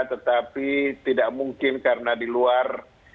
tetapi tidak mungkin karena di luar